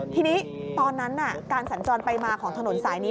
ทีนี้ตอนนั้นการสัญจรไปมาของถนนสายนี้